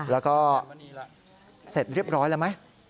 แล้วก็เสร็จเรียบร้อยแล้วไหม